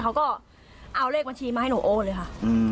เขาก็เอาเลขบัญชีมาให้หนูโอนเลยค่ะ